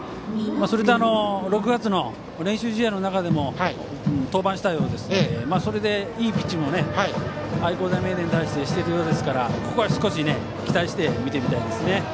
それと６月の練習試合の中でも登板したようですのでそれで、いいピッチングを愛工大名電に対してしているようですからここは少し期待して見てみたいですね。